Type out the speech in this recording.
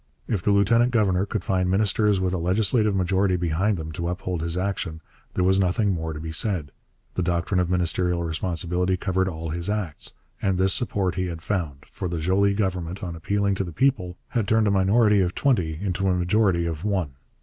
If the lieutenant governor could find ministers with a legislative majority behind them to uphold his action, there was nothing more to be said: the doctrine of ministerial responsibility covered all his acts. And this support he had found; for the Joly Government, on appealing to the people, had turned a minority of twenty into a majority of one.